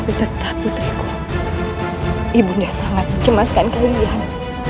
tetapi tetap putriku ibu nia sangat cemaskan kalian